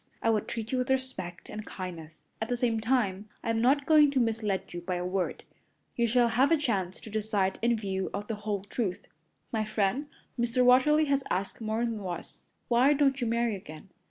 I would treat you with respect and kindness. At the same time, I'm not going to mislead you by a word. You shall have a chance to decide in view of the whole truth. My friend, Mr. Watterly, has asked me more'n once, 'Why don't you marry again?'